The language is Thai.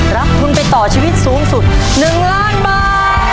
รับทุนไปต่อชีวิตสูงสุด๑ล้านบาท